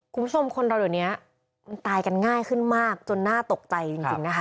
คุณผู้ชมคนเราเดี๋ยวนี้มันตายกันง่ายขึ้นมากจนน่าตกใจจริงนะคะ